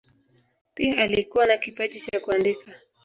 Pia alikuwa na kipaji cha kuandika.